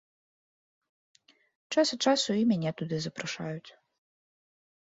Час ад часу і мяне туды запрашаюць.